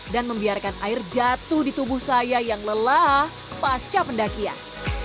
dan membiarkan air jatuh di tubuh saya yang lelah pasca pendakian